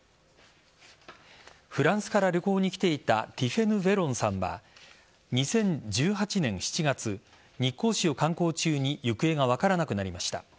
フランスから旅行に来ていたティフェヌ・ベロンさんは２０１８年７月日光市を観光中に行方が分からなくなりました。